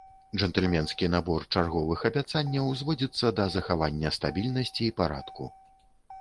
Джэнтльменскі набор чарговых абяцанняў зводзіцца да захавання стабільнасці і парадку.